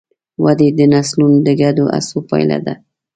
ودې د نسلونو د ګډو هڅو پایله ده.